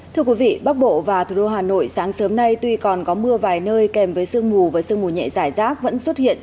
thưa quý vị bắc bộ và thủ đô hà nội sáng sớm nay tuy còn có mưa vài nơi kèm với sương mù và sương mù nhẹ giải rác vẫn xuất hiện